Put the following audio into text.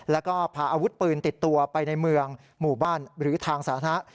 แล้วก็พาอาวุธปืนติดตัวไปในเมืองหมู่บ้านหรือทางสาธารณะ